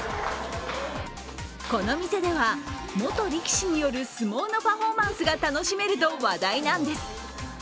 この店では、元力士による相撲のパフォーマンスが楽しめると話題なんです。